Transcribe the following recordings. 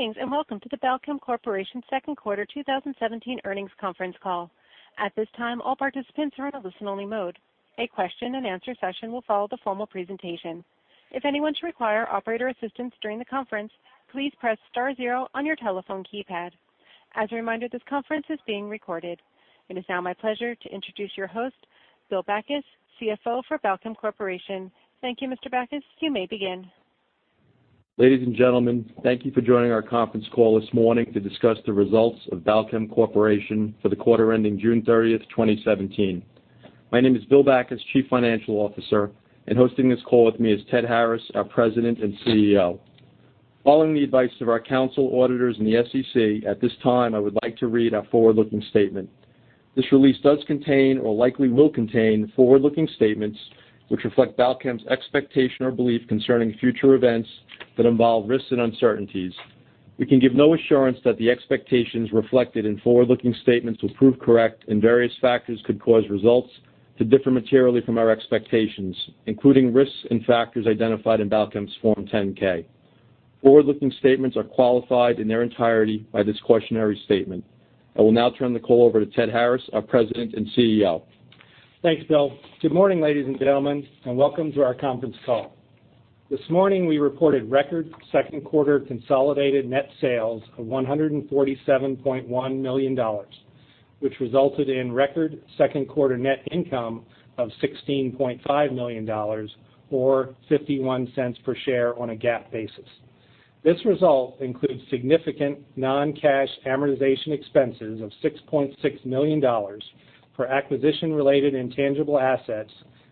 Greetings, and welcome to the Balchem Corporation's second quarter 2017 earnings conference call. At this time, all participants are in a listen-only mode. A question and answer session will follow the formal presentation. If anyone should require operator assistance during the conference, please press star zero on your telephone keypad. As a reminder, this conference is being recorded. It is now my pleasure to introduce your host, William Backus, CFO for Balchem Corporation. Thank you, Mr. Backus. You may begin. Ladies and gentlemen, thank you for joining our conference call this morning to discuss the results of Balchem Corporation for the quarter ending June 30th, 2017. My name is William Backus, Chief Financial Officer, and hosting this call with me is Ted Harris, our President and CEO. Following the advice of our council auditors and the SEC, at this time, I would like to read our forward-looking statement. This release does contain or likely will contain forward-looking statements which reflect Balchem's expectation or belief concerning future events that involve risks and uncertainties. We can give no assurance that the expectations reflected in forward-looking statements will prove correct. Various factors could cause results to differ materially from our expectations, including risks and factors identified in Balchem's Form 10-K. Forward-looking statements are qualified in their entirety by this cautionary statement. I will now turn the call over to Ted Harris, our President and CEO. Thanks, Bill. Good morning, ladies and gentlemen, welcome to our conference call. This morning, we reported record second quarter consolidated net sales of $147.1 million, which resulted in record second quarter net income of $16.5 million, or $0.51 per share on a GAAP basis. This result includes significant non-cash amortization expenses of $6.6 million for acquisition-related intangible assets,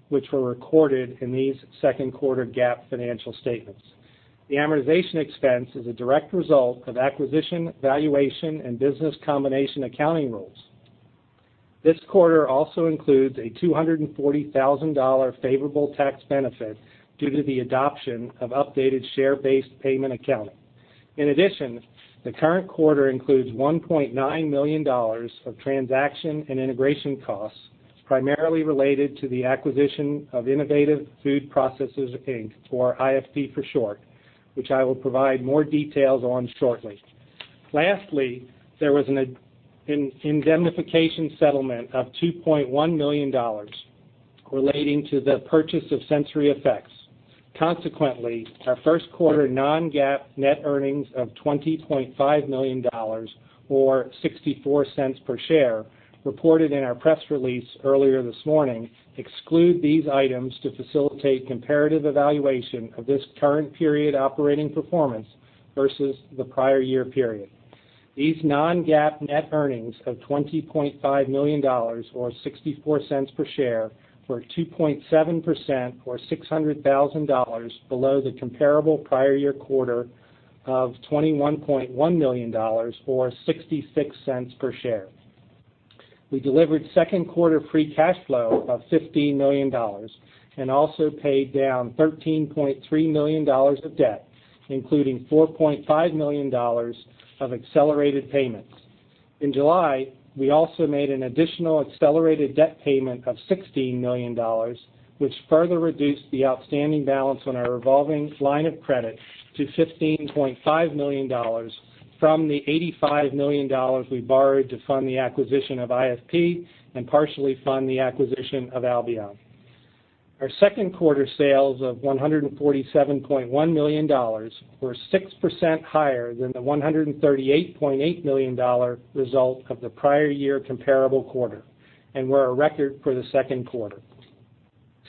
which were recorded in these second quarter GAAP financial statements. The amortization expense is a direct result of acquisition, valuation, and business combination accounting rules. This quarter also includes a $240,000 favorable tax benefit due to the adoption of updated share-based payment accounting. In addition, the current quarter includes $1.9 million of transaction and integration costs, primarily related to the acquisition of Innovative Food Processes, Inc., or IFP for short, which I will provide more details on shortly. Lastly, there was an indemnification settlement of $2.1 million relating to the purchase of SensoryEffects. Consequently, our first quarter non-GAAP net earnings of $20.5 million, or $0.64 per share, reported in our press release earlier this morning exclude these items to facilitate comparative evaluation of this current period operating performance versus the prior year period. These non-GAAP net earnings of $20.5 million or $0.64 per share were 2.7% or $600,000 below the comparable prior year quarter of $21.1 million or $0.66 per share. We delivered second quarter free cash flow of $15 million and also paid down $13.3 million of debt, including $4.5 million of accelerated payments. In July, we also made an additional accelerated debt payment of $16 million, which further reduced the outstanding balance on our revolving line of credit to $15.5 million from the $85 million we borrowed to fund the acquisition of IFP and partially fund the acquisition of Albion. Our second quarter sales of $147.1 million were 6% higher than the $138.8 million result of the prior year comparable quarter and were a record for the second quarter.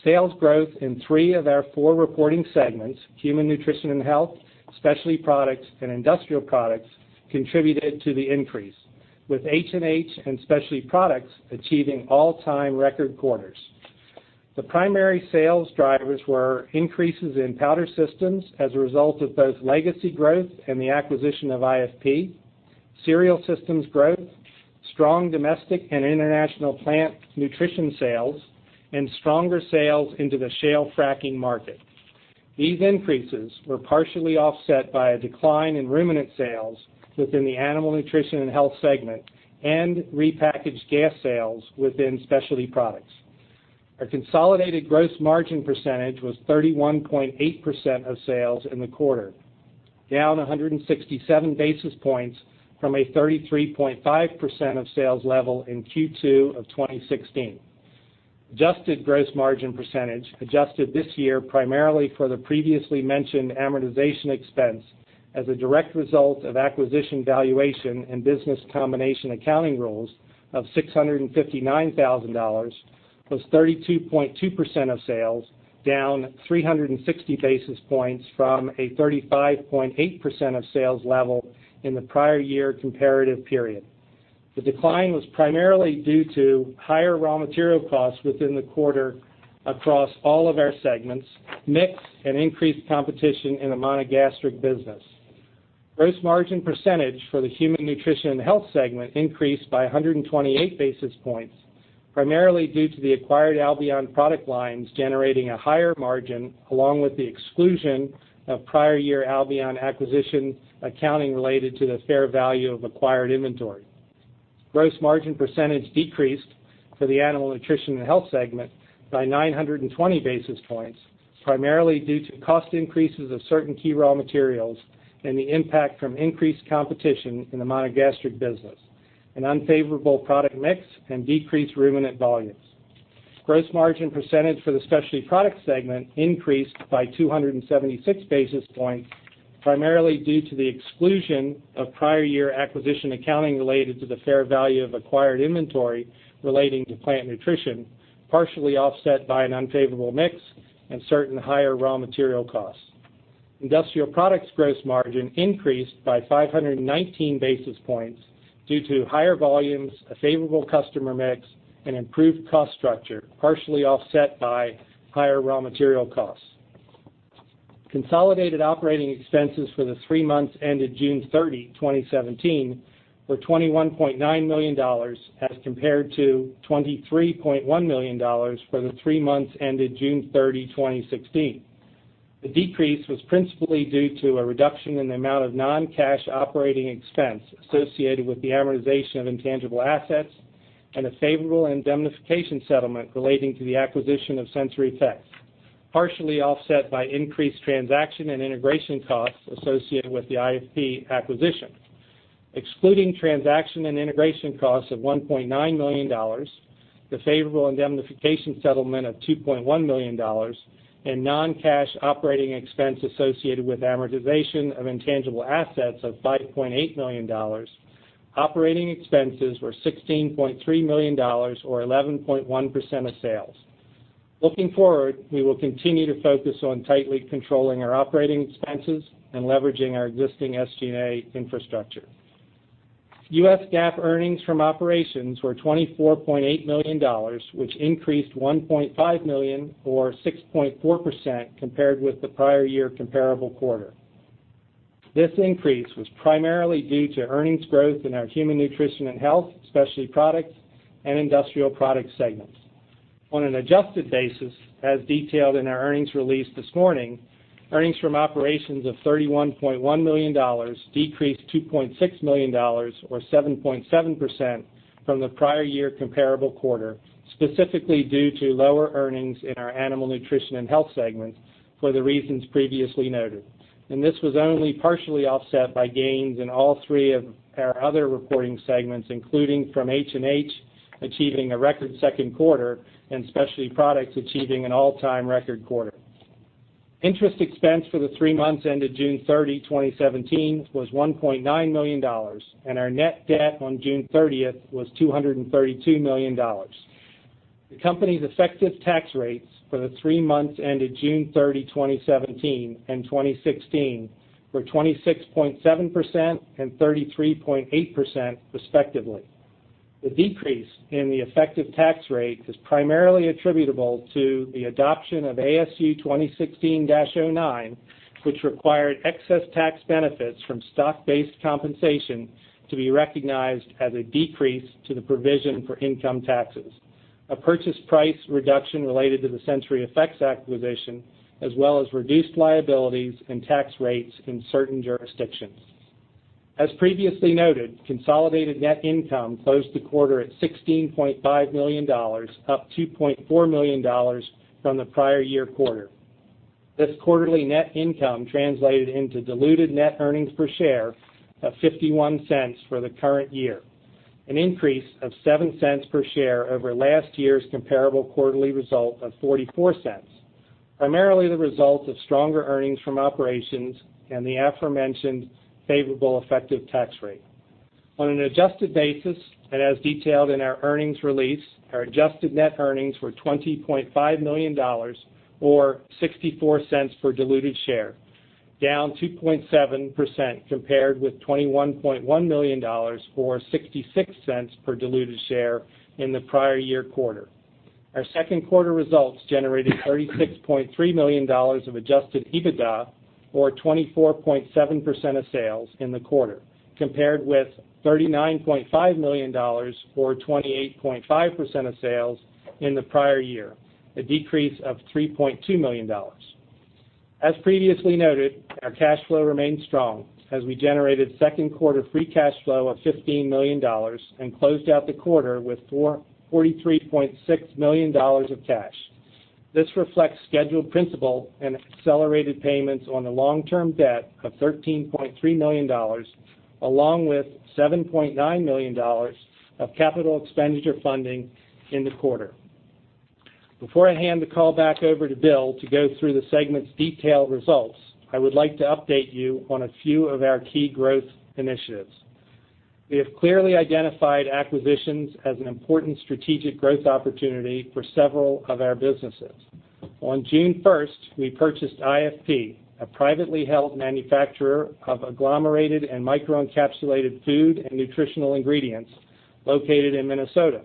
Sales growth in three of our four reporting segments, Human Nutrition & Health, Specialty Products, and Industrial Products, contributed to the increase, with HNH and Specialty Products achieving all-time record quarters. The primary sales drivers were increases in powder systems as a result of both legacy growth and the acquisition of IFP, cereal systems growth, strong domestic and international plant nutrition sales, and stronger sales into the shale fracking market. These increases were partially offset by a decline in ruminant sales within the Animal Nutrition & Health segment and repackaged gas sales within Specialty Products. Our consolidated gross margin percentage was 31.8% of sales in the quarter, down 167 basis points from a 33.5% of sales level in Q2 of 2016. Adjusted gross margin percentage adjusted this year primarily for the previously mentioned amortization expense as a direct result of acquisition valuation and business combination accounting rules of $659,000 was 32.2% of sales, down 360 basis points from a 35.8% of sales level in the prior year comparative period. The decline was primarily due to higher raw material costs within the quarter across all of our segments, mix, and increased competition in the monogastric business. Gross margin percentage for the Human Nutrition & Health segment increased by 128 basis points, primarily due to the acquired Albion product lines generating a higher margin, along with the exclusion of prior year Albion acquisition accounting related to the fair value of acquired inventory. Gross margin percentage decreased for the Animal Nutrition & Health segment by 920 basis points, primarily due to cost increases of certain key raw materials and the impact from increased competition in the monogastric business, an unfavorable product mix, and decreased ruminant volumes. Gross margin percentage for the Specialty Products segment increased by 276 basis points, primarily due to the exclusion of prior year acquisition accounting related to the fair value of acquired inventory relating to plant nutrition, partially offset by an unfavorable mix and certain higher raw material costs. Industrial Products gross margin increased by 519 basis points due to higher volumes, a favorable customer mix, and improved cost structure, partially offset by higher raw material costs. Consolidated operating expenses for the three months ended June 30, 2017, were $21.9 million as compared to $23.1 million for the three months ended June 30, 2016. The decrease was principally due to a reduction in the amount of non-cash operating expense associated with the amortization of intangible assets and a favorable indemnification settlement relating to the acquisition of SensoryEffects, partially offset by increased transaction and integration costs associated with the IFP acquisition. Excluding transaction and integration costs of $1.9 million, the favorable indemnification settlement of $2.1 million, and non-cash operating expense associated with amortization of intangible assets of $5.8 million, operating expenses were $16.3 million or 11.1% of sales. Looking forward, we will continue to focus on tightly controlling our operating expenses and leveraging our existing SG&A infrastructure. U.S. GAAP earnings from operations were $24.8 million, which increased $1.5 million or 6.4% compared with the prior year comparable quarter. This increase was primarily due to earnings growth in our Human Nutrition & Health, Specialty Products, and Industrial Products segments. On an adjusted basis, as detailed in our earnings release this morning, earnings from operations of $31.1 million decreased $2.6 million, or 7.7%, from the prior year comparable quarter, specifically due to lower earnings in our Animal Nutrition & Health segment for the reasons previously noted. This was only partially offset by gains in all three of our other reporting segments, including from HNH achieving a record second quarter and Specialty Products achieving an all-time record quarter. Interest expense for the three months ended June 30, 2017, was $1.9 million, and our net debt on June 30th was $232 million. The company's effective tax rates for the three months ended June 30, 2017, and 2016, were 26.7% and 33.8% respectively. The decrease in the effective tax rate is primarily attributable to the adoption of ASU 2016-09, which required excess tax benefits from stock-based compensation to be recognized as a decrease to the provision for income taxes, a purchase price reduction related to the SensoryEffects acquisition, as well as reduced liabilities and tax rates in certain jurisdictions. As previously noted, consolidated net income closed the quarter at $16.5 million, up $2.4 million from the prior year quarter. This quarterly net income translated into diluted net earnings per share of $0.51 for the current year, an increase of $0.07 per share over last year's comparable quarterly result of $0.44, primarily the result of stronger earnings from operations and the aforementioned favorable effective tax rate. On an adjusted basis, as detailed in our earnings release, our adjusted net earnings were $20.5 million, or $0.64 per diluted share, down 2.7% compared with $21.1 million or $0.66 per diluted share in the prior year quarter. Our second quarter results generated $36.3 million of adjusted EBITDA, or 24.7% of sales in the quarter, compared with $39.5 million or 28.5% of sales in the prior year, a decrease of $3.2 million. As previously noted, our cash flow remains strong as we generated second quarter free cash flow of $15 million and closed out the quarter with $43.6 million of cash. This reflects scheduled principal and accelerated payments on the long-term debt of $13.3 million, along with $7.9 million of capital expenditure funding in the quarter. Before I hand the call back over to Bill to go through the segment's detailed results, I would like to update you on a few of our key growth initiatives. We have clearly identified acquisitions as an important strategic growth opportunity for several of our businesses. On June 1st, we purchased IFP, a privately held manufacturer of agglomerated and microencapsulated food and nutritional ingredients located in Minnesota.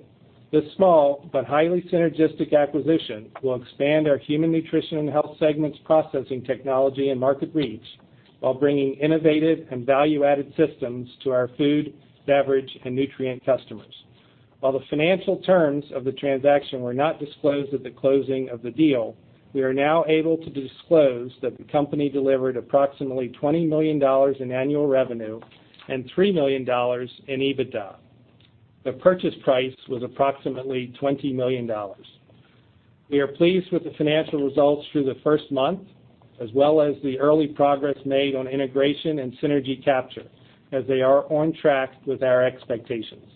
This small but highly synergistic acquisition will expand our Human Nutrition & Health segment's processing technology and market reach while bringing innovative and value-added systems to our food, beverage, and nutrient customers. While the financial terms of the transaction were not disclosed at the closing of the deal, we are now able to disclose that the company delivered approximately $20 million in annual revenue and $3 million in EBITDA. The purchase price was approximately $20 million. We are pleased with the financial results through the first month, as well as the early progress made on integration and synergy capture, as they are on track with our expectations.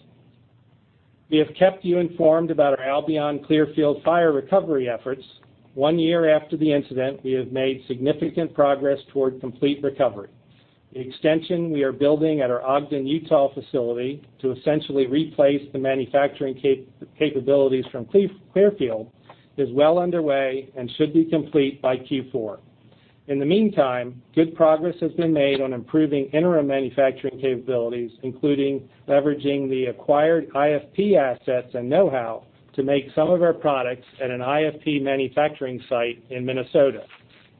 We have kept you informed about our Albion Clearfield fire recovery efforts. One year after the incident, we have made significant progress toward complete recovery. The extension we are building at our Ogden, Utah facility to essentially replace the manufacturing capabilities from Clearfield is well underway and should be complete by Q4. In the meantime, good progress has been made on improving interim manufacturing capabilities, including leveraging the acquired IFP assets and know-how to make some of our products at an IFP manufacturing site in Minnesota.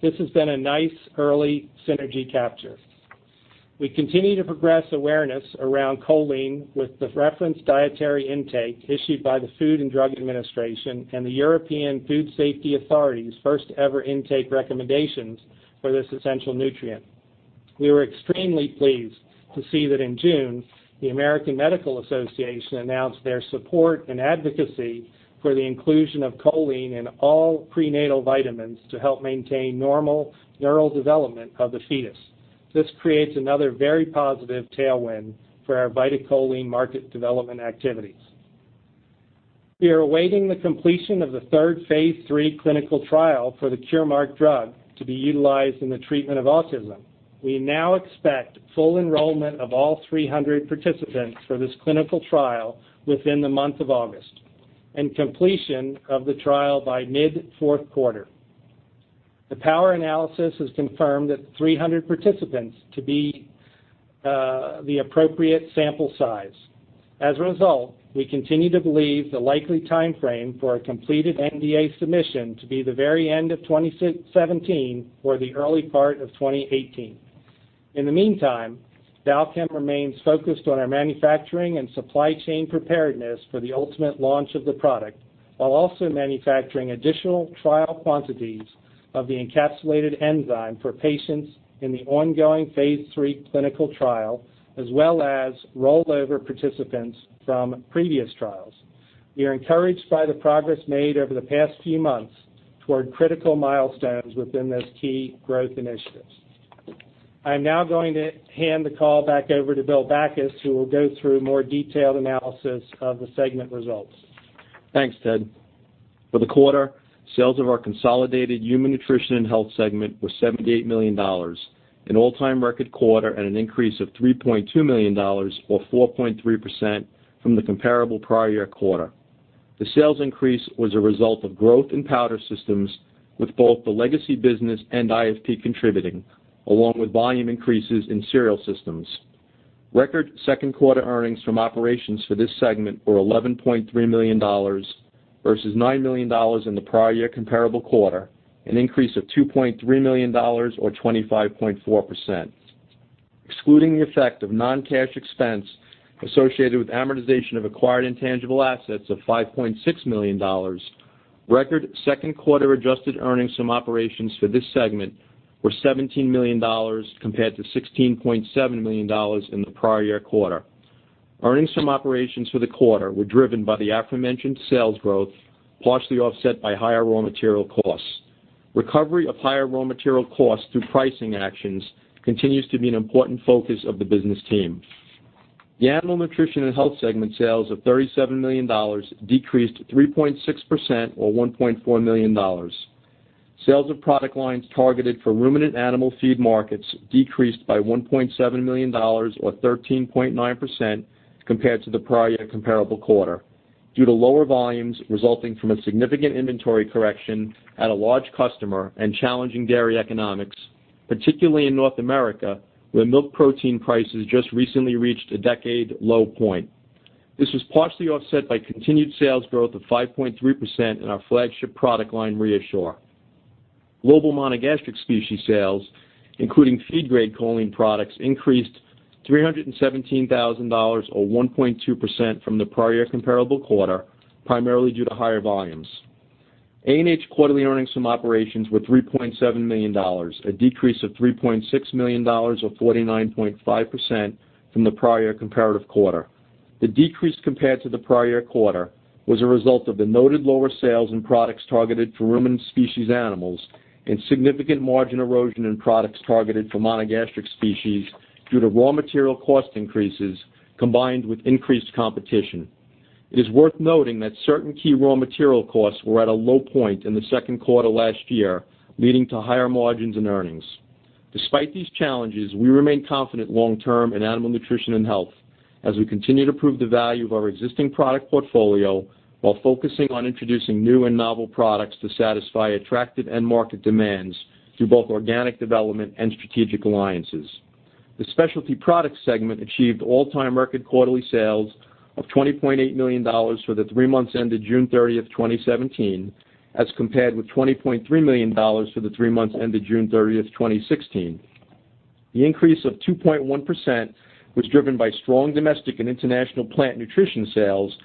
This has been a nice early synergy capture. We continue to progress awareness around choline with the referenced dietary intake issued by the Food and Drug Administration and the European Food Safety Authority's first-ever intake recommendations for this essential nutrient. We were extremely pleased to see that in June, the American Medical Association announced their support and advocacy for the inclusion of choline in all prenatal vitamins to help maintain normal neural development of the fetus. This creates another very positive tailwind for our VitaCholine market development activities. We are awaiting the completion of the third phase III clinical trial for the Curemark drug to be utilized in the treatment of autism. We now expect full enrollment of all 300 participants for this clinical trial within the month of August, and completion of the trial by mid-fourth quarter. The power analysis has confirmed that 300 participants to be the appropriate sample size. As a result, we continue to believe the likely timeframe for a completed NDA submission to be the very end of 2017 or the early part of 2018. In the meantime, Balchem remains focused on our manufacturing and supply chain preparedness for the ultimate launch of the product, while also manufacturing additional trial quantities of the encapsulated enzyme for patients in the ongoing phase III clinical trial, as well as rollover participants from previous trials. We are encouraged by the progress made over the past few months toward critical milestones within this key growth initiative. I am now going to hand the call back over to Bill Backus, who will go through more detailed analysis of the segment results. Thanks, Ted. For the quarter, sales of our consolidated Human Nutrition & Health segment were $78 million, an all-time record quarter and an increase of $3.2 million or 4.3% from the comparable prior year quarter. The sales increase was a result of growth in powder systems with both the legacy business and IFP contributing, along with volume increases in cereal systems. Record second quarter earnings from operations for this segment were $11.3 million versus $9 million in the prior year comparable quarter, an increase of $2.3 million or 25.4%. Excluding the effect of non-cash expense associated with amortization of acquired intangible assets of $5.6 million, record second quarter adjusted earnings from operations for this segment were $17 million compared to $16.7 million in the prior year quarter. Earnings from operations for the quarter were driven by the aforementioned sales growth, partially offset by higher raw material costs. Recovery of higher raw material costs through pricing actions continues to be an important focus of the business team. The Animal Nutrition & Health segment sales of $37 million decreased 3.6%, or $1.4 million. Sales of product lines targeted for ruminant animal feed markets decreased by $1.7 million or 13.9% compared to the prior comparable quarter due to lower volumes resulting from a significant inventory correction at a large customer and challenging dairy economics, particularly in North America, where milk protein prices just recently reached a decade low point. This was partially offset by continued sales growth of 5.3% in our flagship product line ReaShure. Global monogastric species sales, including feed-grade choline products, increased $317,000, or 1.2%, from the prior comparable quarter, primarily due to higher volumes. ANH quarterly earnings from operations were $3.7 million, a decrease of $3.6 million, or 49.5%, from the prior comparative quarter. The decrease compared to the prior year quarter was a result of the noted lower sales in products targeted for ruminant species animals and significant margin erosion in products targeted for monogastric species due to raw material cost increases combined with increased competition. It is worth noting that certain key raw material costs were at a low point in the second quarter last year, leading to higher margins and earnings. Despite these challenges, we remain confident long term in Animal Nutrition & Health as we continue to prove the value of our existing product portfolio while focusing on introducing new and novel products to satisfy attractive end market demands through both organic development and strategic alliances. The Specialty Products segment achieved all-time record quarterly sales of $20.8 million for the three months ended June 30th, 2017, as compared with $20.3 million for the three months ended June 30th, 2016. The increase of 2.1% was driven by strong domestic and international plant nutrition sales,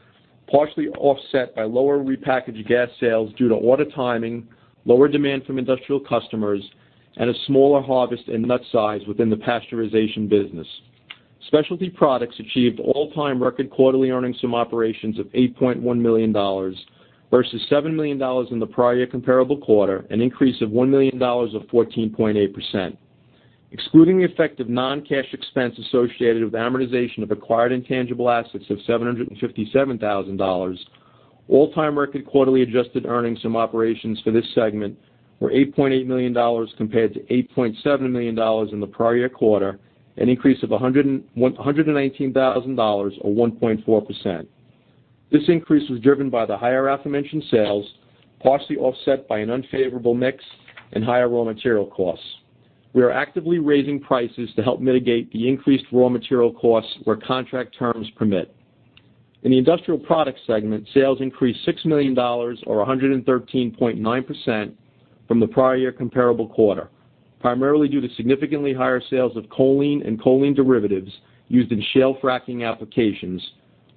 partially offset by lower repackaged gas sales due to order timing, lower demand from industrial customers, and a smaller harvest in nut size within the pasteurization business. Specialty Products achieved all-time record quarterly earnings from operations of $8.1 million versus $7 million in the prior comparable quarter, an increase of $1 million or 14.8%. Excluding the effect of non-cash expense associated with amortization of acquired intangible assets of $757,000, all-time record quarterly adjusted earnings from operations for this segment were $8.8 million compared to $8.7 million in the prior year quarter, an increase of $119,000 or 1.4%. This increase was driven by the higher aforementioned sales, partially offset by an unfavorable mix and higher raw material costs. We are actively raising prices to help mitigate the increased raw material costs where contract terms permit. In the Industrial Products segment, sales increased $6 million or 113.9% from the prior year comparable quarter, primarily due to significantly higher sales of choline and choline derivatives used in shale fracking applications,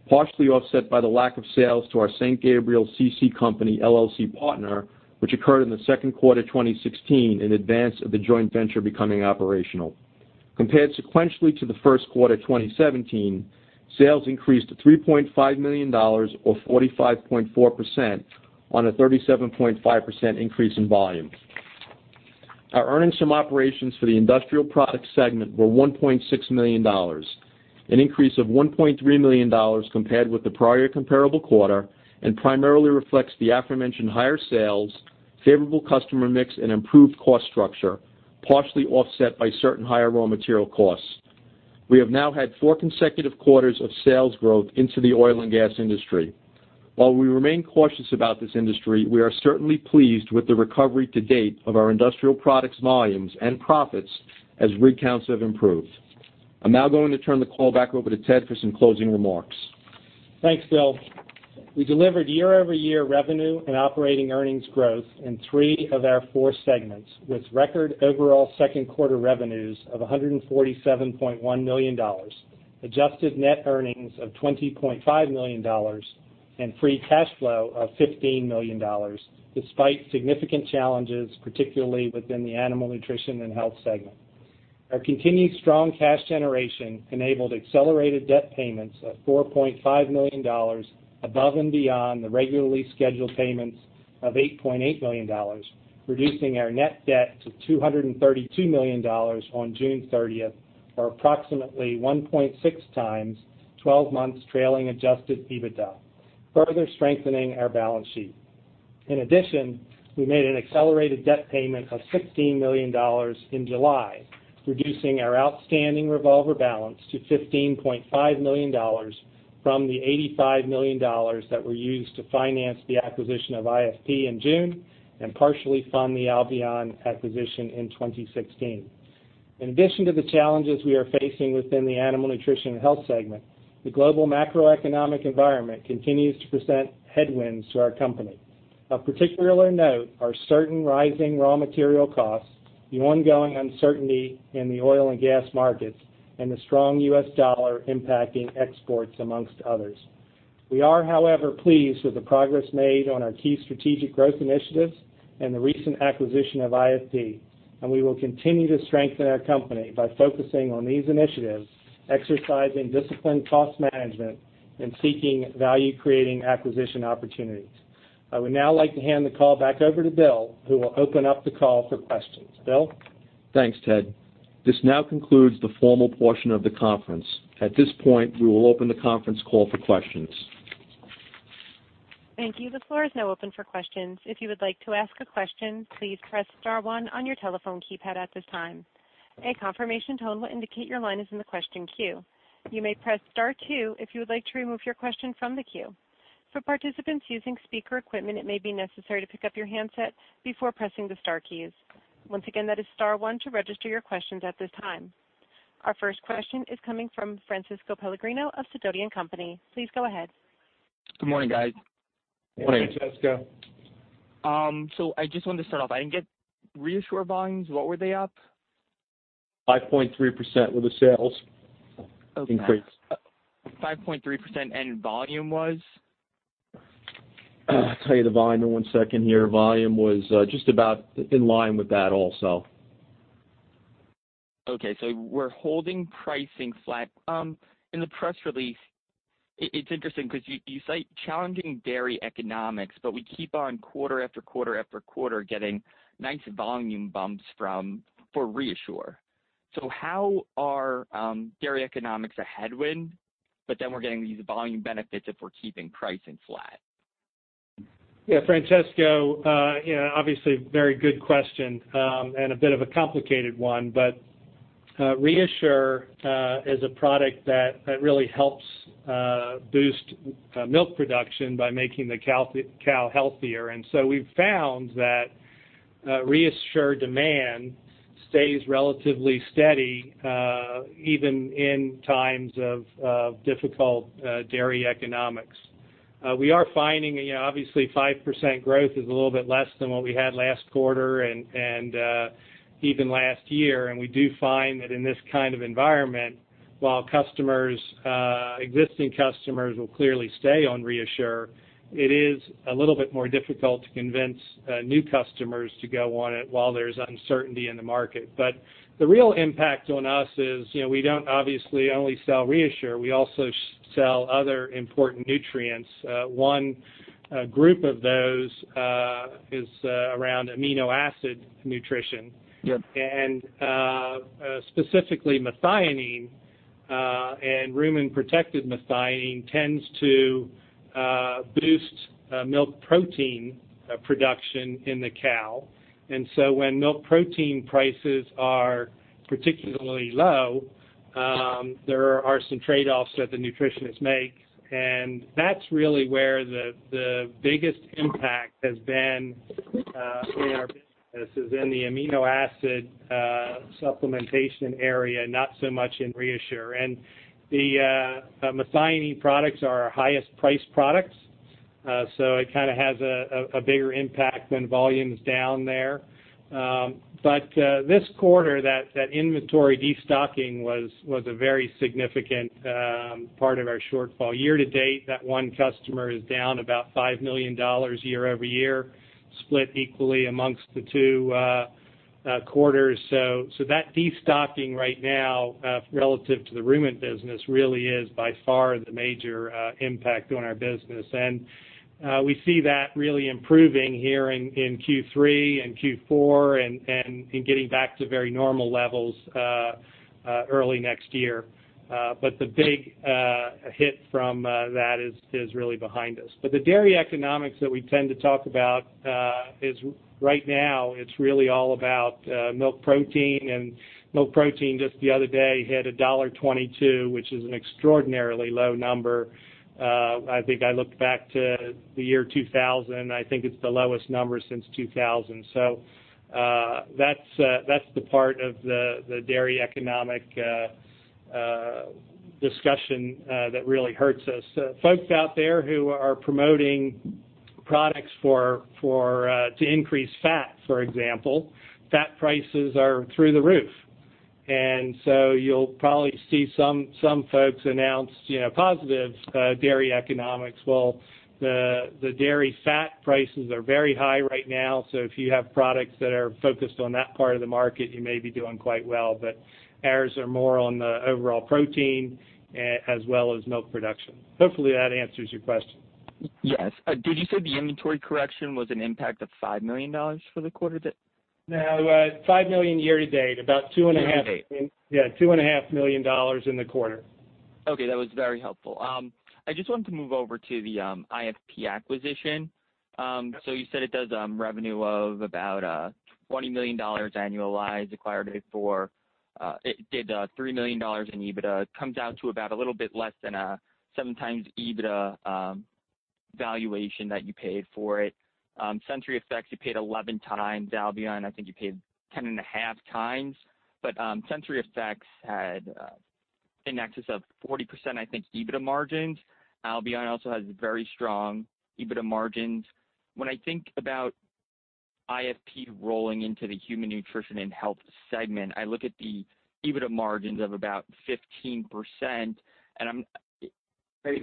partially offset by the lack of sales to our St. Gabriel CC Company LLC partner which occurred in the second quarter 2016 in advance of the joint venture becoming operational. Compared sequentially to the first quarter 2017, sales increased to $3.5 million or 45.4% on a 37.5% increase in volume. Our earnings from operations for the Industrial Products segment were $1.6 million, an increase of $1.3 million compared with the prior comparable quarter and primarily reflects the aforementioned higher sales, favorable customer mix, and improved cost structure, partially offset by certain higher raw material costs. We have now had four consecutive quarters of sales growth into the oil and gas industry. While we remain cautious about this industry, we are certainly pleased with the recovery to date of our Industrial Products volumes and profits as rig counts have improved. I'm now going to turn the call back over to Ted for some closing remarks. Thanks, Bill. We delivered year-over-year revenue and operating earnings growth in three of our four segments, with record overall second quarter revenues of $147.1 million, adjusted net earnings of $20.5 million, and free cash flow of $15 million, despite significant challenges, particularly within the Animal Nutrition & Health segment. Our continued strong cash generation enabled accelerated debt payments of $4.5 million above and beyond the regularly scheduled payments of $8.8 million, reducing our net debt to $232 million on June 30th or approximately 1.6 times 12 months trailing adjusted EBITDA, further strengthening our balance sheet. In addition, we made an accelerated debt payment of $16 million in July, reducing our outstanding revolver balance to $15.5 million from the $85 million that were used to finance the acquisition of IFP in June and partially fund the Albion acquisition in 2016. In addition to the challenges we are facing within the Animal Nutrition & Health segment, the global macroeconomic environment continues to present headwinds to our company. Of particular note are certain rising raw material costs, the ongoing uncertainty in the oil and gas markets, and the strong U.S. dollar impacting exports, amongst others. We are, however, pleased with the progress made on our key strategic growth initiatives and the recent acquisition of IFP, and we will continue to strengthen our company by focusing on these initiatives, exercising disciplined cost management, and seeking value-creating acquisition opportunities. I would now like to hand the call back over to Bill, who will open up the call for questions. Bill? Thanks, Ted. This now concludes the formal portion of the conference. At this point, we will open the conference call for questions. Thank you. The floor is now open for questions. If you would like to ask a question, please press star one on your telephone keypad at this time. A confirmation tone will indicate your line is in the question queue. You may press star two if you would like to remove your question from the queue. For participants using speaker equipment, it may be necessary to pick up your handset before pressing the star keys. Once again, that is star one to register your questions at this time. Our first question is coming from Francesco Pellegrino of Sidoti & Company. Please go ahead. Good morning, guys. Morning. Hey, Francesco. I just wanted to start off. I didn't get ReaShure volumes. What were they up? 5.3% were the sales increase. Okay. 5.3%. Volume was? I'll tell you the volume in one second here. Volume was just about in line with that also. We're holding pricing flat. In the press release, it's interesting because you cite challenging dairy economics, we keep on quarter after quarter after quarter getting nice volume bumps for ReaShure. How are dairy economics a headwind, we're getting these volume benefits if we're keeping pricing flat? Yeah, Francesco, obviously, very good question, a bit of a complicated one. ReaShure is a product that really helps boost milk production by making the cow healthier, we've found that ReaShure demand stays relatively steady even in times of difficult dairy economics. We are finding, obviously, 5% growth is a little bit less than what we had last quarter and even last year. We do find that in this kind of environment, while existing customers will clearly stay on ReaShure, it is a little bit more difficult to convince new customers to go on it while there's uncertainty in the market. The real impact on us is, we don't obviously only sell ReaShure, we also sell other important nutrients. One group of those is around amino acid nutrition. Yep. Specifically methionine and rumen-protected methionine tends to boost milk protein production in the cow. When milk protein prices are particularly low, there are some trade-offs that the nutritionists make, that's really where the biggest impact has been in our business, is in the amino acid supplementation area, not so much in ReaShure. The methionine products are our highest priced products. It kind of has a bigger impact when volume's down there. This quarter, that inventory destocking was a very significant part of our shortfall. Year-to-date, that one customer is down about $5 million year-over-year, split equally amongst the two quarters. That destocking right now, relative to the rumen business, really is by far the major impact on our business. We see that really improving here in Q3 and Q4 and getting back to very normal levels early next year. The big hit from that is really behind us. The dairy economics that we tend to talk about, right now it's really all about milk protein. Milk protein just the other day hit $1.22, which is an extraordinarily low number. I think I looked back to the year 2000, I think it's the lowest number since 2000. That's the part of the dairy economic discussion that really hurts us. Folks out there who are promoting products to increase fat, for example, fat prices are through the roof. You'll probably see some folks announce positive dairy economics. Well, the dairy fat prices are very high right now, so if you have products that are focused on that part of the market, you may be doing quite well. Ours are more on the overall protein as well as milk production. Hopefully that answers your question. Yes. Did you say the inventory correction was an impact of $5 million for the quarter? No, $5 million year to date. Year to date. Yeah, $2.5 million in the quarter. Okay. That was very helpful. I just wanted to move over to the IFP acquisition. Yep. You said it does revenue of about $20 million annualized. It did $3 million in EBITDA. Comes out to about a little bit less than a 7 times EBITDA valuation that you paid for it. SensoryEffects, you paid 11 times. Albion, I think you paid 10 and a half times. SensoryEffects had in excess of 40%, I think, EBITDA margins. Albion also has very strong EBITDA margins. When I think about IFP rolling into the Human Nutrition & Health segment, I look at the EBITDA margins of about 15%.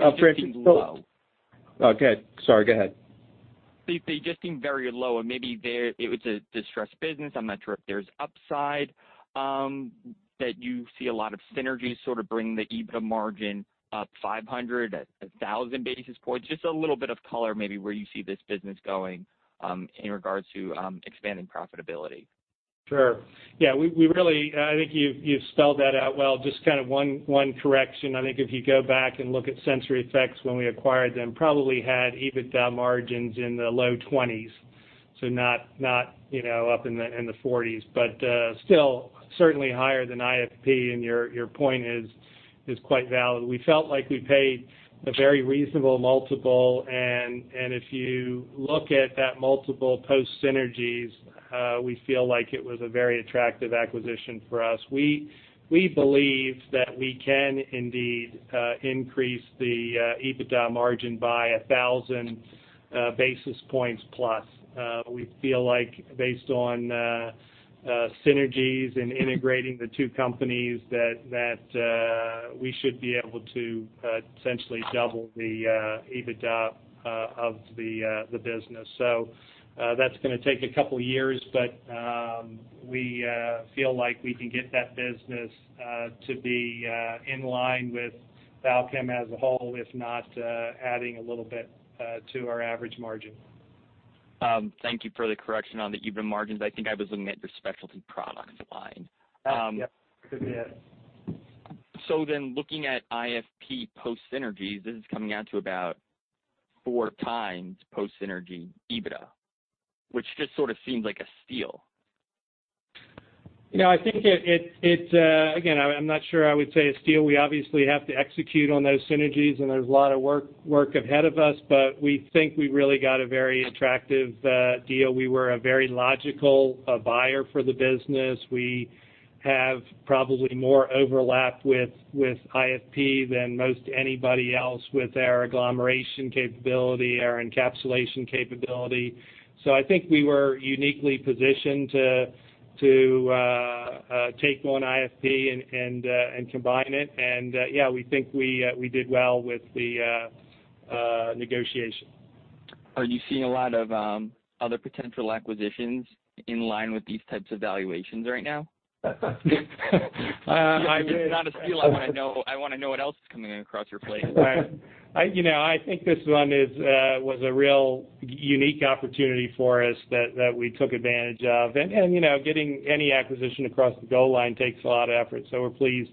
Oh. low. Okay. Sorry, go ahead. They just seem very low and maybe it was a distressed business. I'm not sure if there's upside that you see a lot of synergies sort of bring the EBITDA margin up 500, 1,000 basis points. Just a little bit of color maybe where you see this business going in regards to expanding profitability. Sure. Yeah, I think you've spelled that out well. Just kind of one correction. I think if you go back and look at SensoryEffects when we acquired them, probably had EBITDA margins in the low 20s. Not up in the 40s, but still certainly higher than IFP and your point is quite valid. We felt like we paid a very reasonable multiple. If you look at that multiple post synergies, we feel like it was a very attractive acquisition for us. We believe that we can indeed increase the EBITDA margin by 1,000 basis points plus. We feel like based on synergies and integrating the two companies, that we should be able to essentially double the EBITDA of the business. That's going to take a couple of years, but we feel like we can get that business to be in line with Balchem as a whole, if not adding a little bit to our average margin. Thank you for the correction on the EBITDA margins. I think I was looking at the Specialty Products line. Oh, yep. Could be it. Looking at IFP post synergies, this is coming out to about 4x post synergy EBITDA, which just sort of seems like a steal. I think, again, I'm not sure I would say a steal. We obviously have to execute on those synergies, and there's a lot of work ahead of us, but we think we really got a very attractive deal. We were a very logical buyer for the business. We have probably more overlap with IFP than most anybody else with our agglomeration capability, our encapsulation capability. Yeah, we think we did well with the negotiation. Are you seeing a lot of other potential acquisitions in line with these types of valuations right now? If it's not a steal, I want to know what else is coming across your plate. I think this one was a real unique opportunity for us that we took advantage of. Getting any acquisition across the goal line takes a lot of effort, we're pleased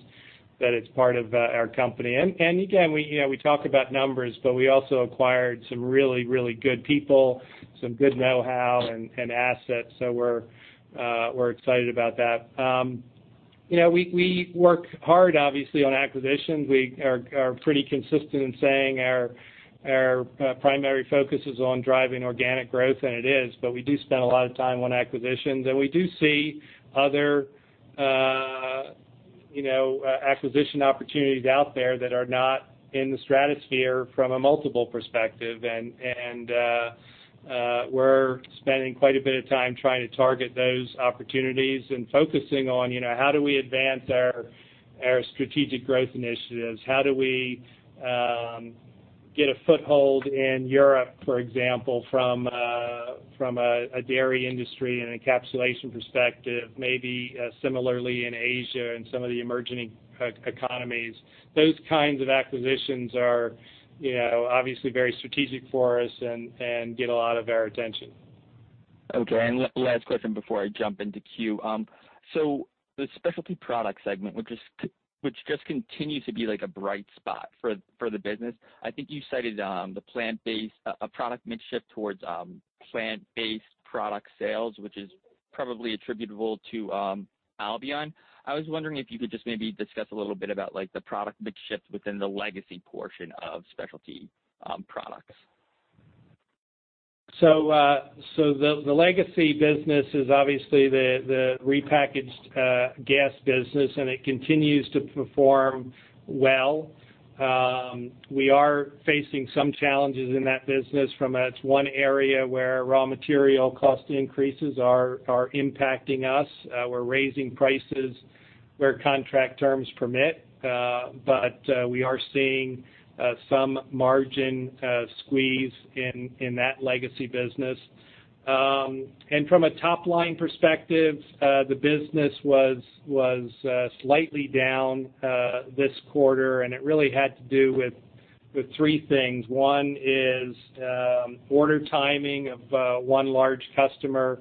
that it's part of our company. Again, we talk about numbers, but we also acquired some really good people, some good knowhow, and assets. We're excited about that. We work hard, obviously, on acquisitions. We are pretty consistent in saying our primary focus is on driving organic growth, and it is, but we do spend a lot of time on acquisitions. We do see other acquisition opportunities out there that are not in the stratosphere from a multiple perspective. We're spending quite a bit of time trying to target those opportunities and focusing on how do we advance our strategic growth initiatives. How do we get a foothold in Europe, for example, from a dairy industry and encapsulation perspective, maybe similarly in Asia and some of the emerging economies. Those kinds of acquisitions are obviously very strategic for us and get a lot of our attention. Okay. Last question before I jump into queue. The Specialty Products segment, which just continues to be a bright spot for the business. I think you cited a product mix shift towards plant-based product sales, which is probably attributable to Albion. I was wondering if you could just maybe discuss a little bit about the product mix shift within the legacy portion of Specialty Products. The legacy business is obviously the repackaged gas business, it continues to perform well. We are facing some challenges in that business. It's one area where raw material cost increases are impacting us. We're raising prices where contract terms permit. We are seeing some margin squeeze in that legacy business. From a top-line perspective, the business was slightly down this quarter, it really had to do with three things. One is order timing of one large customer.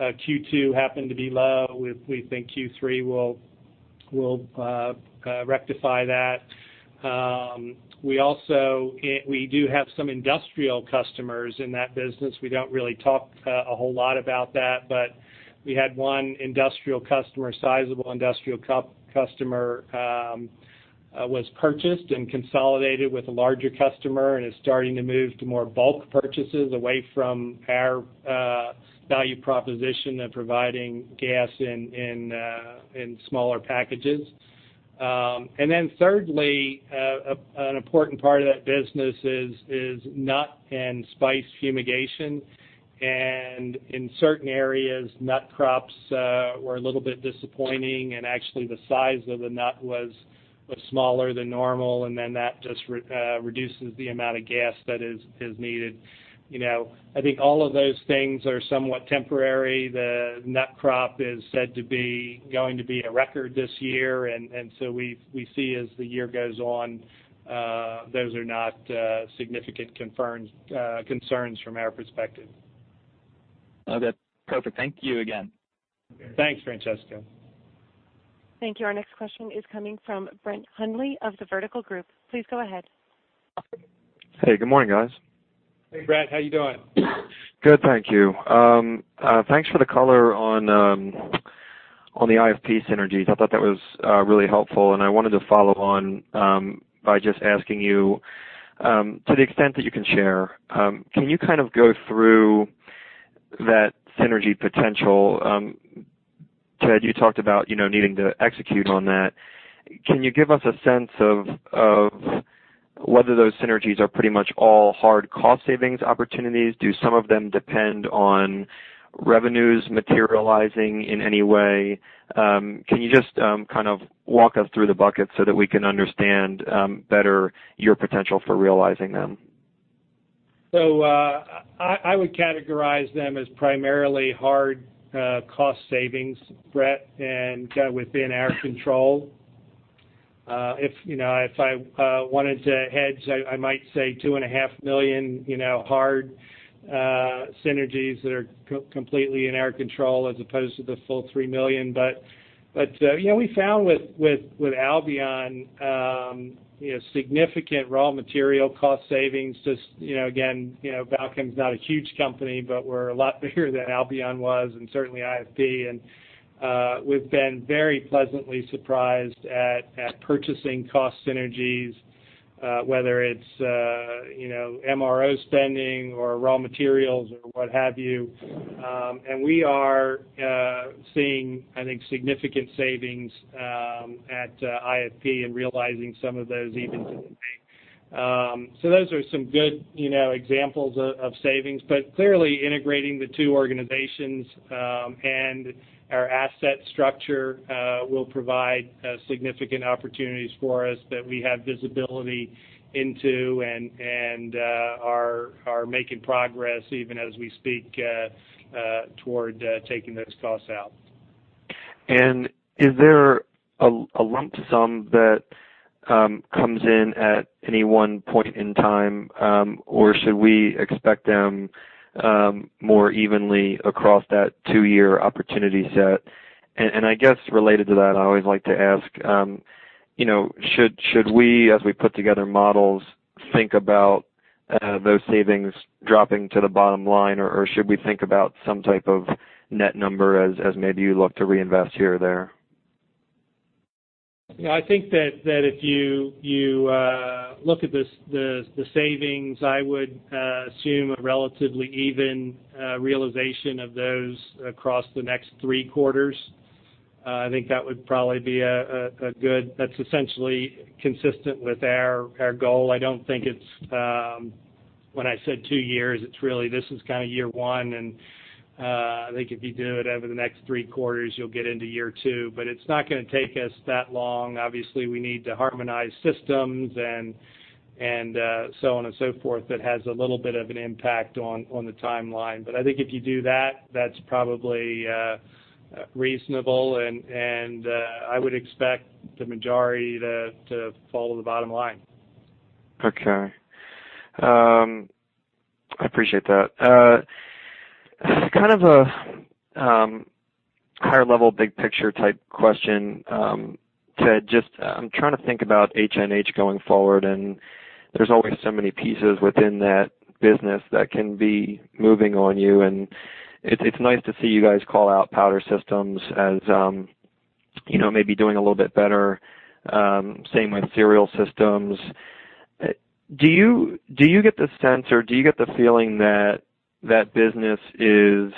Q2 happened to be low. We think Q3 will rectify that. We do have some industrial customers in that business. We don't really talk a whole lot about that, but we had one sizable industrial customer, was purchased and consolidated with a larger customer and is starting to move to more bulk purchases away from our value proposition of providing gas in smaller packages. Thirdly, an important part of that business is nut and spice fumigation. In certain areas, nut crops were a little bit disappointing, actually the size of the nut was smaller than normal, that just reduces the amount of gas that is needed. I think all of those things are somewhat temporary. The nut crop is said to be going to be a record this year. We see as the year goes on, those are not significant concerns from our perspective. Okay. Perfect. Thank you again. Thanks, Francesco. Thank you. Our next question is coming from Brett Hundley of The Vertical Group. Please go ahead. Hey, good morning, guys. Hey, Brett. How you doing? Good, thank you. Thanks for the color on the IFP synergies. I thought that was really helpful. I wanted to follow on by just asking you, to the extent that you can share, can you go through that synergy potential? Ted, you talked about needing to execute on that. Can you give us a sense of whether those synergies are pretty much all hard cost savings opportunities? Do some of them depend on revenues materializing in any way? Can you just walk us through the buckets so that we can understand better your potential for realizing them? I would categorize them as primarily hard cost savings, Brett, and within our control. If I wanted to hedge, I might say $2.5 million hard synergies that are completely in our control as opposed to the full $3 million. We found with Albion, significant raw material cost savings. Just again, Balchem's not a huge company, but we're a lot bigger than Albion was and certainly IFP. We've been very pleasantly surprised at purchasing cost synergies, whether it's MRO spending or raw materials or what have you. We are seeing, I think, significant savings at IFP and realizing some of those even today. Those are some good examples of savings. Clearly integrating the two organizations and our asset structure will provide significant opportunities for us that we have visibility into and are making progress even as we speak toward taking those costs out. Is there a lump sum that comes in at any one point in time? Or should we expect them more evenly across that 2-year opportunity set? I guess related to that, I always like to ask, should we, as we put together models, think about those savings dropping to the bottom line? Or should we think about some type of net number as maybe you look to reinvest here or there? I think that if you look at the savings, I would assume a relatively even realization of those across the next 3 quarters. That's essentially consistent with our goal. I don't think it's, when I said 2 years, it's really, this is kind of year one, and I think if you do it over the next 3 quarters, you'll get into year two. It's not going to take us that long. Obviously, we need to harmonize systems and so on and so forth. That has a little bit of an impact on the timeline. I think if you do that's probably reasonable, and I would expect the majority to fall to the bottom line. Okay. I appreciate that. Kind of a higher level, big picture type question, Ted. I'm trying to think about HNH going forward, and there's always so many pieces within that business that can be moving on you, and it's nice to see you guys call out powder systems as maybe doing a little bit better. Same with cereal systems. Do you get the sense or do you get the feeling that that business is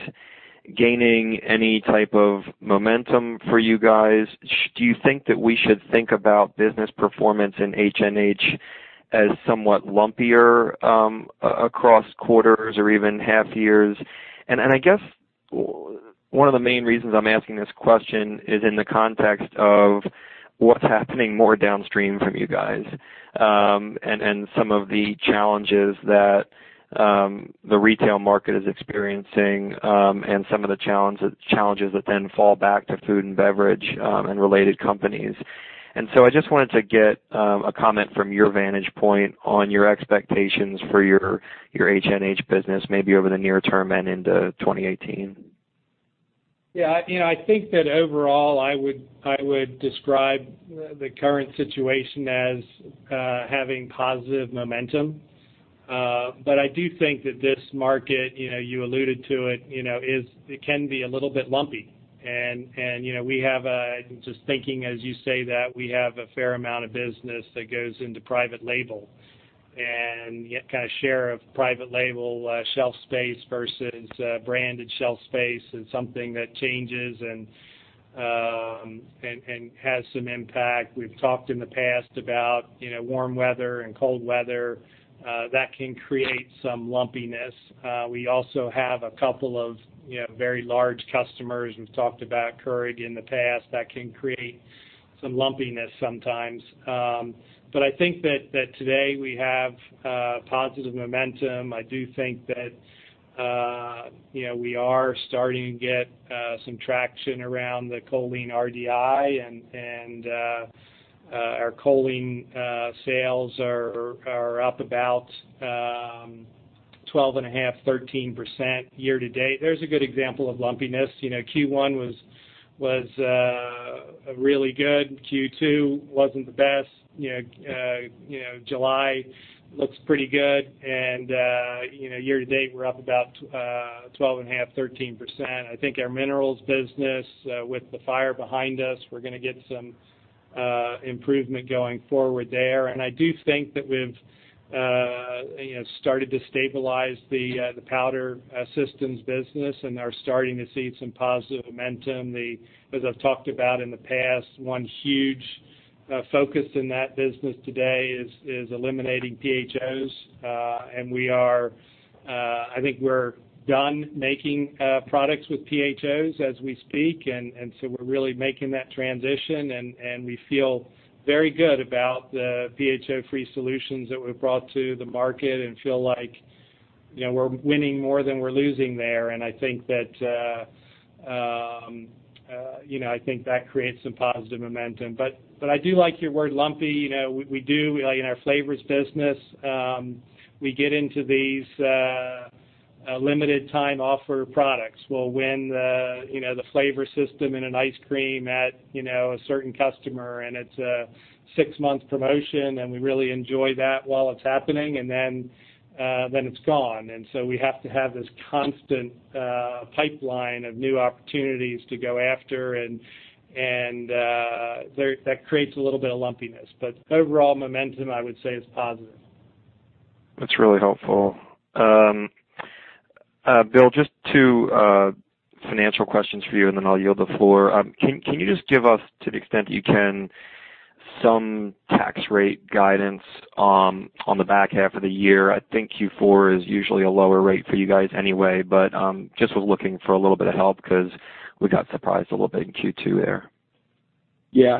gaining any type of momentum for you guys? Do you think that we should think about business performance in HNH as somewhat lumpier across quarters or even half years? I guess one of the main reasons I'm asking this question is in the context of what's happening more downstream from you guys and some of the challenges that the retail market is experiencing and some of the challenges that then fall back to food and beverage and related companies. I wanted to get a comment from your vantage point on your expectations for your HNH business, maybe over the near term and into 2018. Yeah. I think that overall I would describe the current situation as having positive momentum. I do think that this market, you alluded to it can be a little bit lumpy. Thinking, as you say that, we have a fair amount of business that goes into private label. Kind of share of private label shelf space versus branded shelf space is something that changes and has some impact. We've talked in the past about warm weather and cold weather. That can create some lumpiness. We also have a couple of very large customers. We've talked about Keurig in the past. That can create some lumpiness sometimes. I think that today we have positive momentum. I do think that we are starting to get some traction around the choline RDI, and our choline sales are up about 12.5%, 13% year to date. There's a good example of lumpiness. Q1 was really good. Q2 wasn't the best. July looks pretty good. Year to date, we're up about 12.5%, 13%. I think our minerals business, with the fire behind us, we're going to get some improvement going forward there. I do think that we've started to stabilize the powder systems business and are starting to see some positive momentum. As I've talked about in the past, one huge focus in that business today is eliminating PHOs. I think we're done making products with PHOs as we speak. We're really making that transition, and we feel very good about the PHO-free solutions that we've brought to the market and feel like we're winning more than we're losing there. I think that creates some positive momentum. I do like your word lumpy. In our flavors business, we get into these limited time offer products. We'll win the flavor system in an ice cream at a certain customer, and it's a 6-month promotion, and we really enjoy that while it's happening, and then it's gone. We have to have this constant pipeline of new opportunities to go after, and that creates a little bit of lumpiness. Overall momentum, I would say, is positive. That's really helpful. Bill, just 2 financial questions for you, and then I'll yield the floor. Can you just give us, to the extent that you can, some tax rate guidance on the back half of the year? I think Q4 is usually a lower rate for you guys anyway, but just was looking for a little bit of help because we got surprised a little bit in Q2 there.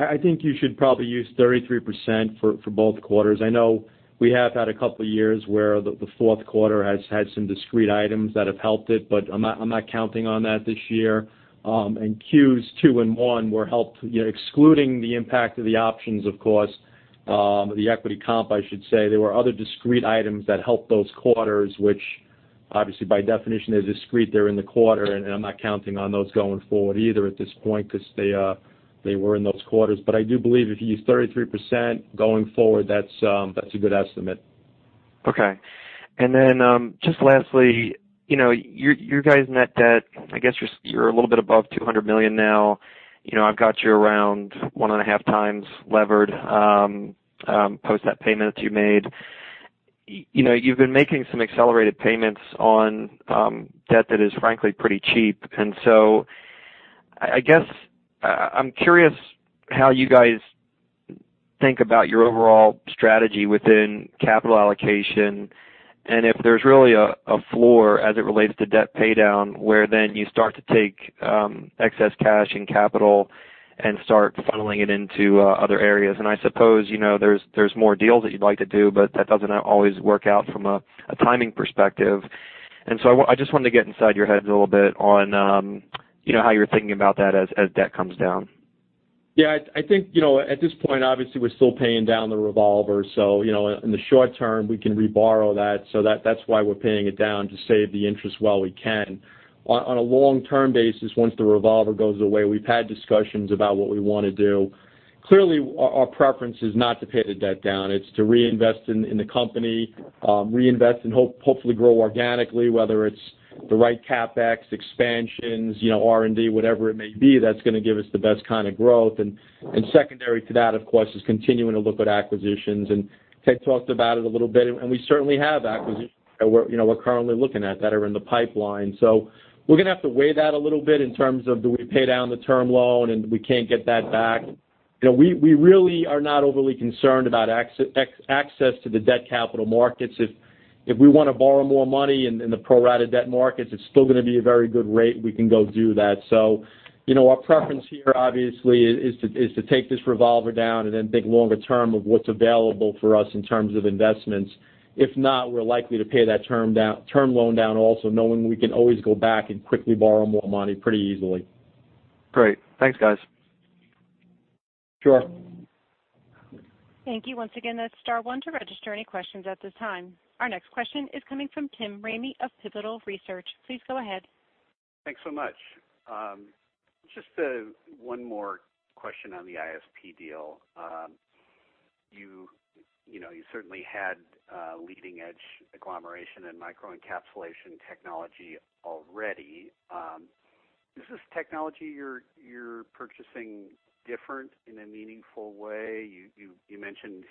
I think you should probably use 33% for both quarters. I know we have had a couple years where the fourth quarter has had some discrete items that have helped it, I'm not counting on that this year. Qs two and one were helped, excluding the impact of the options, of course, the equity comp, I should say. There were other discrete items that helped those quarters, which obviously by definition are discrete. They're in the quarter, I'm not counting on those going forward either at this point because they were in those quarters. I do believe if you use 33% going forward, that's a good estimate. Just lastly, your guys' net debt, I guess you're a little bit above $200 million now. I've got you around 1.5 times levered, post that payment that you made. You've been making some accelerated payments on debt that is frankly pretty cheap. I guess, I'm curious how you guys think about your overall strategy within capital allocation and if there's really a floor as it relates to debt paydown, where then you start to take excess cash and capital and start funneling it into other areas. I suppose, there's more deals that you'd like to do, that doesn't always work out from a timing perspective. I just wanted to get inside your heads a little bit on how you're thinking about that as debt comes down. I think, at this point, obviously, we're still paying down the revolver. In the short term, we can reborrow that. That's why we're paying it down, to save the interest while we can. On a long-term basis, once the revolver goes away, we've had discussions about what we want to do. Clearly, our preference is not to pay the debt down. It's to reinvest in the company, reinvest and hopefully grow organically, whether it's the right CapEx, expansions, R&D, whatever it may be that's going to give us the best kind of growth. Secondary to that, of course, is continuing to look at acquisitions. Ted talked about it a little bit, and we certainly have acquisitions that we're currently looking at that are in the pipeline. We're going to have to weigh that a little bit in terms of do we pay down the term loan and we can't get that back. We really are not overly concerned about access to the debt capital markets. If we want to borrow more money in the pro rata debt markets, it's still going to be a very good rate. We can go do that. Our preference here obviously is to take this revolver down and then think longer term of what's available for us in terms of investments. If not, we're likely to pay that term loan down also knowing we can always go back and quickly borrow more money pretty easily. Great. Thanks, guys. Sure. Thank you. Once again, that's star one to register any questions at this time. Our next question is coming from Tim Ramey of Pivotal Research. Please go ahead. Thanks so much. Just one more question on the IFP deal. You certainly had leading edge agglomeration and microencapsulation technology already. Is this technology you're purchasing different in a meaningful way? You mentioned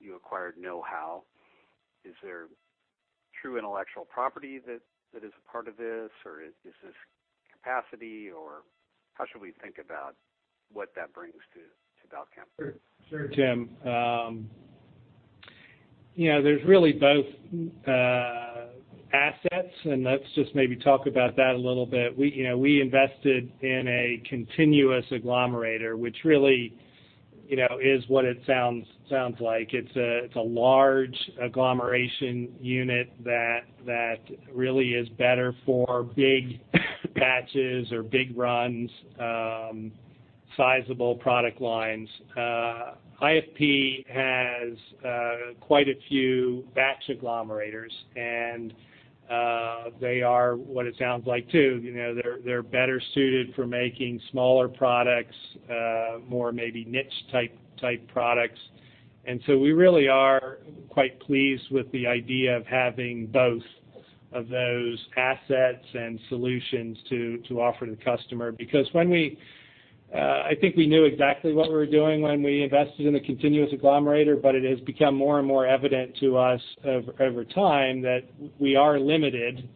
you acquired know-how. Is there true intellectual property that is a part of this, or is this capacity, or how should we think about what that brings to Balchem? Sure, Tim. There's really both assets. Let's just maybe talk about that a little bit. We invested in a continuous agglomerator, which really, is what it sounds like. It's a large agglomeration unit that really is better for big batches or big runs, sizable product lines. IFP has quite a few batch agglomerators. They are what it sounds like, too. They're better suited for making smaller products, more maybe niche type products. We really are quite pleased with the idea of having both of those assets and solutions to offer the customer, because I think we knew exactly what we were doing when we invested in the continuous agglomerator, but it has become more and more evident to us over time that we are limited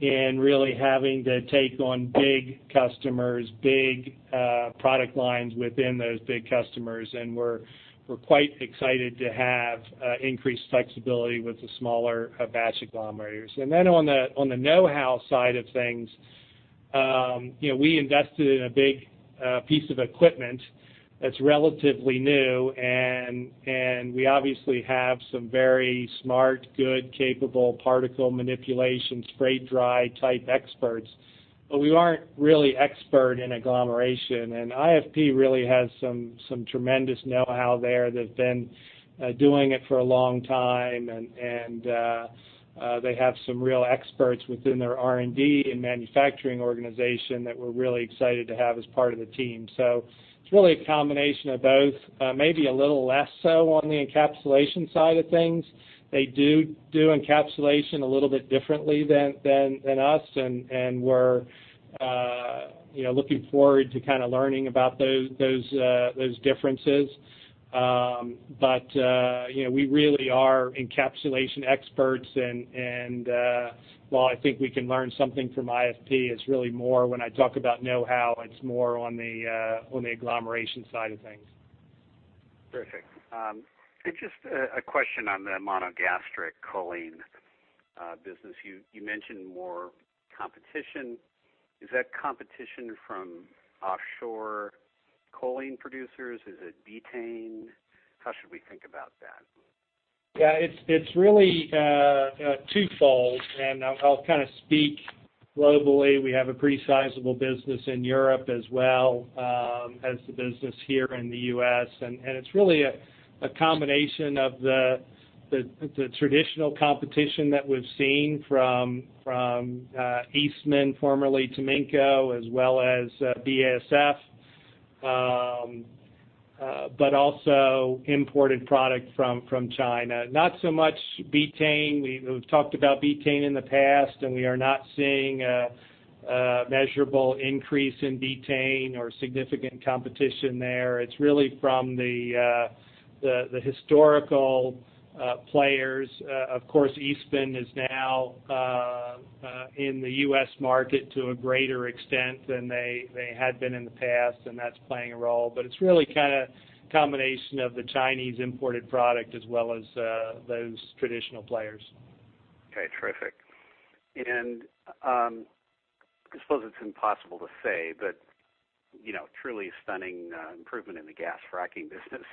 in really having to take on big customers, big product lines within those big customers. We're quite excited to have increased flexibility with the smaller batch agglomerators. On the know-how side of things, we invested in a big piece of equipment that's relatively new. We obviously have some very smart, good, capable particle manipulation, spray dry type experts, but we aren't really expert in agglomeration. IFP really has some tremendous know-how there. They've been doing it for a long time, and they have some real experts within their R&D and manufacturing organization that we're really excited to have as part of the team. It's really a combination of both. Maybe a little less so on the encapsulation side of things. They do encapsulation a little bit differently than us and we're looking forward to learning about those differences. We really are encapsulation experts. While I think we can learn something from IFP, when I talk about know-how, it's more on the agglomeration side of things. Perfect. Just a question on the monogastric choline business. You mentioned more competition. Is that competition from offshore choline producers? Is it betaine? How should we think about that? Yeah, it's really twofold. I'll speak globally. We have a pretty sizable business in Europe as well as the business here in the U.S., and it's really a combination of the traditional competition that we've seen from Eastman, formerly Taminco, as well as BASF, but also imported product from China. Not so much betaine. We've talked about betaine in the past. We are not seeing a measurable increase in betaine or significant competition there. It's really from the historical players. Of course, Eastman is now in the U.S. market to a greater extent than they had been in the past, and that's playing a role. It's really a combination of the Chinese imported product as well as those traditional players. Okay, terrific. I suppose it's impossible to say, truly stunning improvement in the gas fracking business.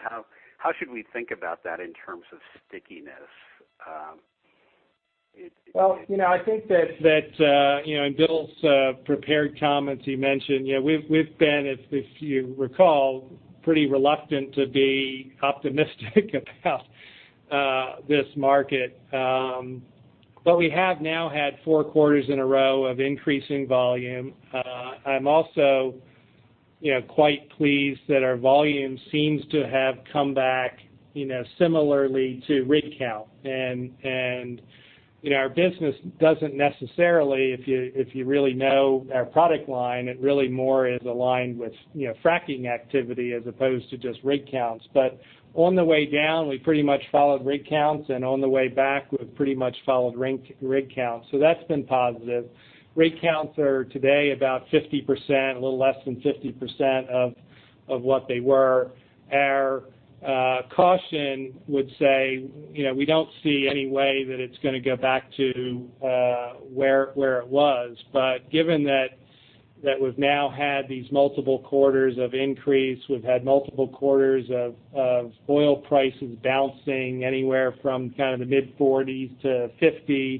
How should we think about that in terms of stickiness? Well, I think that in Bill's prepared comments, he mentioned we've been, if you recall, pretty reluctant to be optimistic about this market. We have now had 4 quarters in a row of increasing volume. I'm also quite pleased that our volume seems to have come back similarly to rig count. Our business doesn't necessarily, if you really know our product line, it really more is aligned with fracking activity as opposed to just rig counts. On the way down, we pretty much followed rig counts. On the way back, we've pretty much followed rig count. That's been positive. Rig counts are today about 50%, a little less than 50% of what they were. Our caution would say, we don't see any way that it's going to go back to where it was. Given that we've now had these multiple quarters of increase, we've had multiple quarters of oil prices bouncing anywhere from the mid-40s to 50.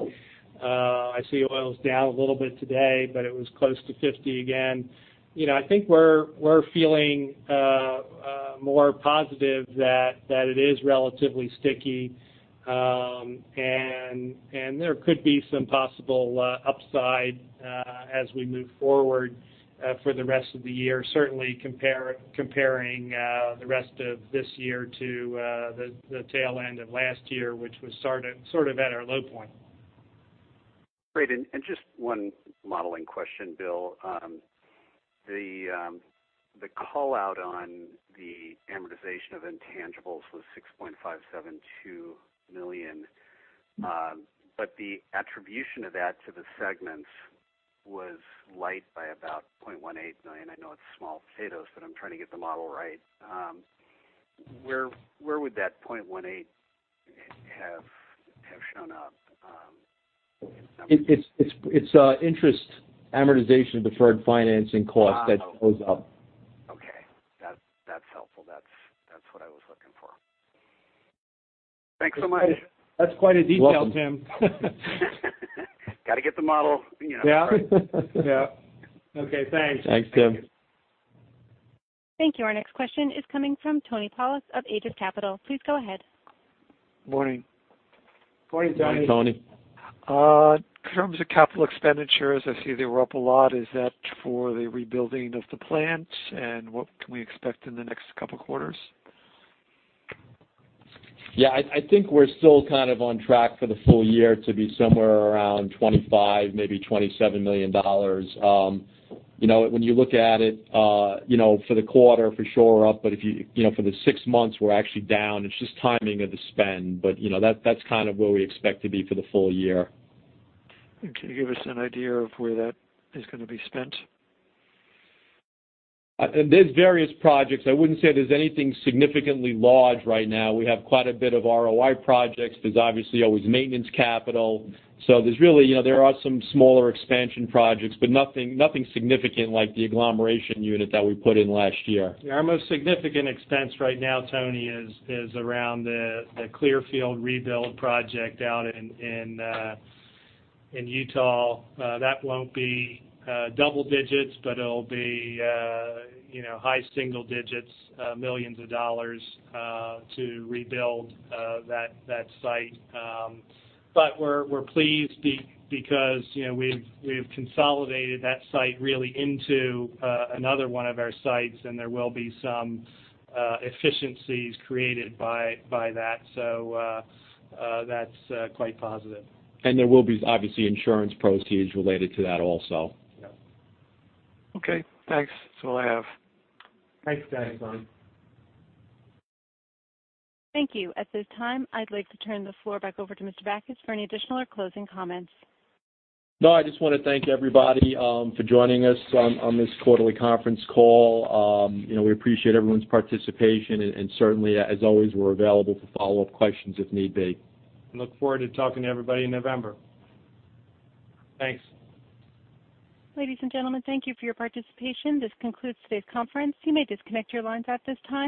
I see oil's down a little bit today, but it was close to 50 again. I think we're feeling more positive that it is relatively sticky. There could be some possible upside as we move forward for the rest of the year, certainly comparing the rest of this year to the tail end of last year, which was sort of at our low point. Great. Just one modeling question, Bill. The call-out on the amortization of intangibles was $6.572 million. The attribution of that to the segments was light by about $0.18 million. I know it's small potatoes, but I'm trying to get the model right. Where would that $0.18 have shown up? It's interest amortization of deferred financing costs that shows up. Okay. That's helpful. That's what I was looking for. Thanks so much. That's quite a detail, Tim. Got to get the model. Yeah. Okay, thanks. Thanks, Tim. Thank you. Our next question is coming from Tony Polak of Aegis Capital. Please go ahead. Morning. Morning, Tony. Morning, Tony. In terms of capital expenditures, I see they were up a lot. Is that for the rebuilding of the plant? What can we expect in the next couple of quarters? Yeah, I think we're still on track for the full year to be somewhere around $25, maybe $27 million. When you look at it, for the quarter, for sure up. For the six months, we're actually down. It's just timing of the spend. That's where we expect to be for the full year. Can you give us an idea of where that is going to be spent? There's various projects. I wouldn't say there's anything significantly large right now. We have quite a bit of ROI projects. There's obviously always maintenance capital. There are some smaller expansion projects, but nothing significant like the agglomeration unit that we put in last year. Our most significant expense right now, Tony, is around the Clearfield rebuild project out in Utah. That won't be double digits, but it'll be high single digits, $ millions to rebuild that site. We're pleased because we've consolidated that site really into another one of our sites, there will be some efficiencies created by that. That's quite positive. There will be, obviously, insurance proceeds related to that also. Okay, thanks. That's all I have. Thanks again, Tony. Thank you. At this time, I'd like to turn the floor back over to Mr. Backus for any additional or closing comments. I just want to thank everybody for joining us on this quarterly conference call. We appreciate everyone's participation, and certainly, as always, we're available for follow-up questions if need be. Look forward to talking to everybody in November. Thanks. Ladies and gentlemen, thank you for your participation. This concludes today's conference. You may disconnect your lines at this time.